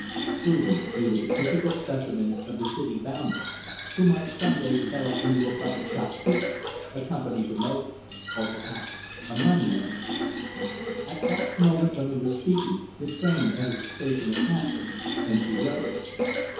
Truly he was a typical specimen of the City "bounder," who might some day develop into a bucket shop keeper, a company promoter, or perhaps a money lender. At the moment when we were speaking the train entered the station of Hampton, and she rose.